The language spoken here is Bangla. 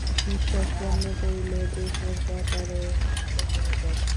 নিঃশ্বাস বন্ধ করিলে দেহের ব্যাপারও বন্ধ হইয়া যায়।